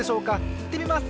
いってみます！